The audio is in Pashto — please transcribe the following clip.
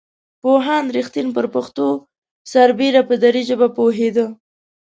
پوهاند رښتین پر پښتو سربېره په دري ژبه پوهېده.